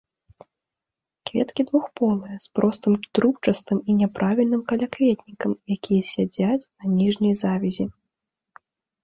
Кветкі двухполыя з простым трубчастым і няправільным калякветнікам, якія сядзяць на ніжняй завязі.